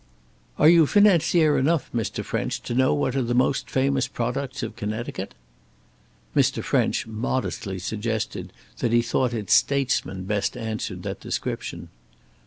"Are you financier enough, Mr. French, to know what are the most famous products of Connecticut?" Mr. French modestly suggested that he thought its statesmen best answered that description.